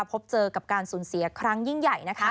พบเจอกับการสูญเสียครั้งยิ่งใหญ่